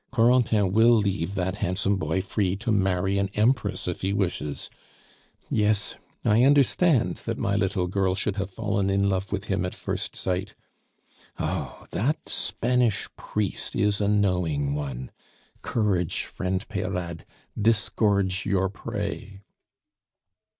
Corentin will leave that handsome boy free to marry an Empress if he wishes! Yes, I understand that my little girl should have fallen in love with him at first sight. Oh! that Spanish priest is a knowing one. Courage, friend Peyrade! disgorge your prey!"